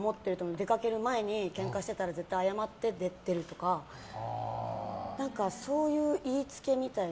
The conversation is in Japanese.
出かける前に、けんかしてたら絶対に謝って出るとかそういういいつけみたいな。